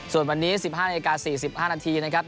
ส่วนวันนี้๑๕นาที๔๕นาทีนะครับ